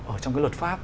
ở trong cái luật pháp